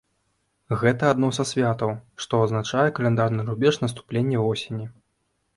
Гэта адно са святаў, што адзначае каляндарны рубеж, наступленне восені.